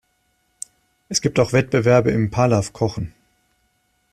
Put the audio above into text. Es gibt auch Wettbewerbe im Palav-Kochen.